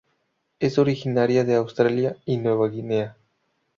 Es originaria de Australia y Nueva Guinea.